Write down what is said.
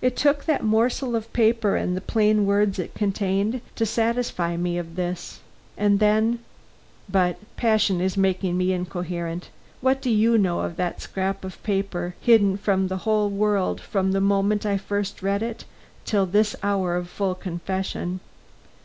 It took that morsel of paper and the plain words it contained to satisfy me of this, and then But passion is making me incoherent. What do you know of that scrap of paper, hidden from the whole world from the moment I first read it till this hour of full confession?